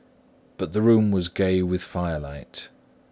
But the room was gay with firelight.